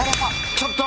ちょっと！